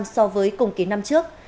so với cùng ký năm trước